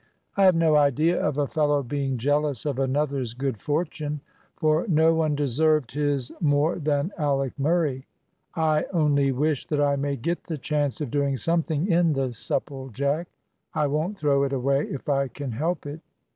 "I have no idea of a fellow being jealous of another's good fortune, for no one deserved his more than Alick Murray. I only wish that I may get the chance of doing something in the Supplejack; I won't throw it away if I can help it."